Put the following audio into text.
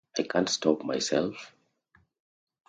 I can't stop myself.